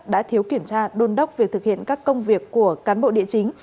đã thiếu kiểm tra đôn đốc việc thực hiện các công việc của cán bộ địa chính